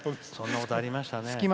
そんなことがありましたね。